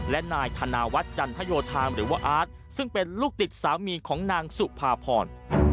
และนายธนาวัฒน์จันทโยธามหรือว่าอาร์ตซึ่งเป็นลูกติดสามีของนางสุภาพร